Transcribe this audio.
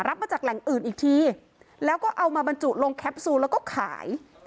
รับมาจากแหล่งอื่นอีกทีแล้วก็เอามาบรรจุลงแคปซูลแล้วก็ขาย